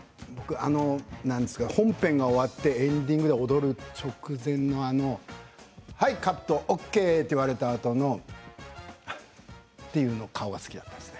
あの本編が終わってエンディングで踊る直前のはいカット、ＯＫ！と言われたあとのはっという顔が好きだったんですね。